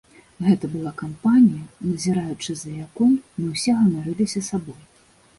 Гэта была кампанія, назіраючы за якой, мы ўсе ганарыліся сабой.